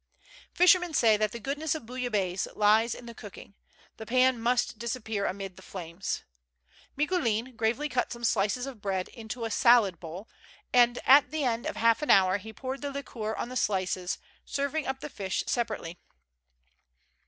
Fishermen say that the goodness of bouillabaisse lies in the cooking : the pan must disappear amid the flames. Micoulin gravely cut some slices of bread into a salad bowl, and at the end of half an hour he poured the liquor on the slices, serving up the fish separately.